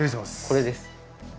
これです。